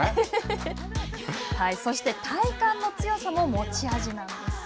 そして、体幹の強さも持ち味なんです。